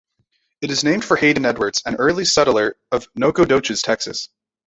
It is named for Haden Edwards, an early settler of Nacogdoches, Texas.